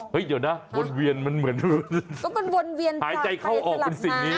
เฮ้ยเดี๋ยวนะวนเวียนมันเหมือนหายใจเข้าออกเป็นสิ่งนี้หายใจเข้าออกเป็นสิ่งนี้